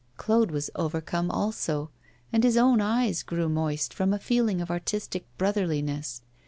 Claude was overcome also, and his own eyes grew moist from a feeling of artistic brotherliness.